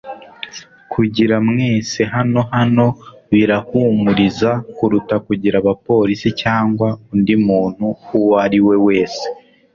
Kugira mwese hano hano birahumuriza kuruta kugira abapolisi cyangwa undi muntu uwo ari we wese